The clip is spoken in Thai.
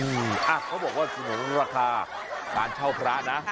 อืมเค้าบอกว่าส่วนราคาบางเจ้าพระนะ